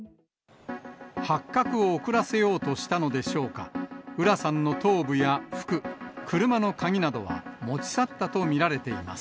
発覚を遅らせようとしたのでしょうか、浦さんの頭部や服、車の鍵などは持ち去ったと見られています。